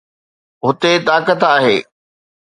هتي طاقت آهي.